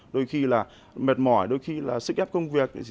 đôi khi là mệt mỏi đôi khi là sức ép công việc